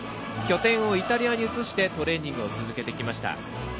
拠点をイタリアに移してトレーニングを続けてきました。